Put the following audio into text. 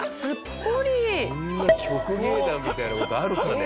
こんな曲芸団みたいな事あるかね？